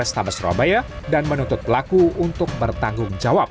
ke unit laka lantas polres tambas surabaya dan menuntut pelaku untuk bertanggung jawab